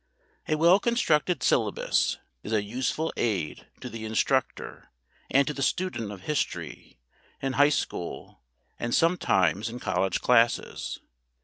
A well constructed syllabus is a useful aid to the instructor and to the student of history in high school and sometimes in college classes.